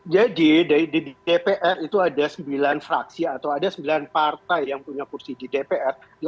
jadi di dpr itu ada sembilan fraksi atau ada sembilan partai yang punya kursi di dpr